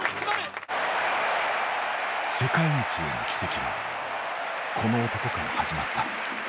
世界一への軌跡はこの男から始まった。